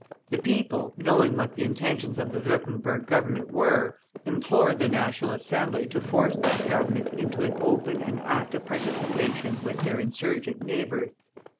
The people, knowing what the intentions of the Würtemberg Government were, implored the National Assembly to force that Government into an open and active participation with their insurgent neighbors.